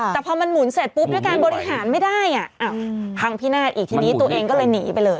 แต่พอมันหมุนเสร็จปุ๊บด้วยการบริหารไม่ได้พังพินาศอีกทีนี้ตัวเองก็เลยหนีไปเลย